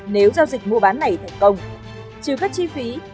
nếu giao dịch mua bán này thành công trừ các chi phí